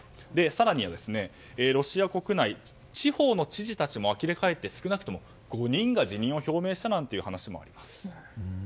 更にはロシア国内地方の知事たちもあきれ返って少なくとも５人が辞任を表明したという話もあります。